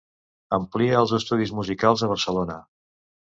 Amplià els estudis musicals a Barcelona.